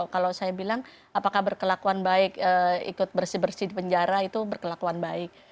kalau saya bilang apakah berkelakuan baik ikut bersih bersih di penjara itu berkelakuan baik